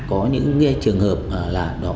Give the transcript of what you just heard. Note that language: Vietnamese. có những cái trường hợp là đó là